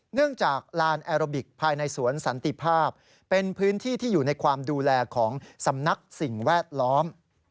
เนื่องจากลานแอโรบิกภายในสวนสันติภาพเป็นพื้นที่ที่อยู่ในความดูแลของสำนักสิ่งแวดล้อม